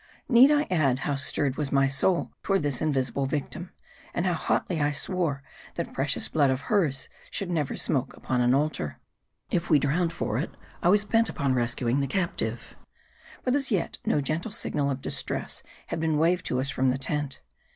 Need I add, how stirred was my soul toward this invisible victim ; and how hotly I swore, that precious blood of hers should never smoke upon an altar. If we drowned for it, I was bent upon rescuing the captive. But as yet, no gentle signal of distress had been waved to us from the tent.